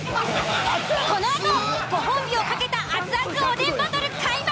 このあとご褒美を懸けた熱々おでんバトル開幕！！